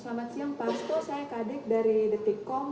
selamat siang pak asto saya kadik dari detik com